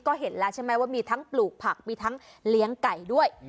ก็เห็นแล้วใช่ไหมว่ามีทั้งปลูกผักมีทั้งเลี้ยงไก่ด้วย